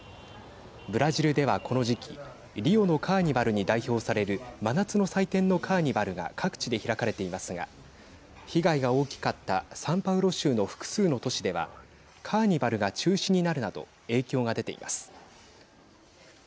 ブラジルではこの時期リオのカーニバルに代表される真夏の祭典のカーニバルが各地で開かれていますが被害が大きかったサンパウロ州の複数の都市ではカーニバルが中止になるなど影響が出ています。